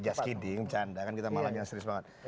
just kidding canda kan kita malah jangan serius banget